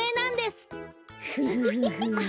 フフフフ。